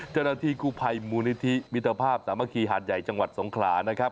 เจ้าหน้าที่กู้ภัยมูลนิธิมิตรภาพสามัคคีหาดใหญ่จังหวัดสงขลานะครับ